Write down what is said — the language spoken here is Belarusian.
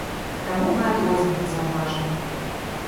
Таму мы адрозненне заўважылі.